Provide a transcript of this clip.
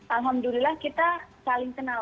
alhamdulillah kita saling kenal